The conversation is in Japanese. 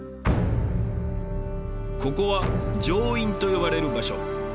ここは上院と呼ばれる場所。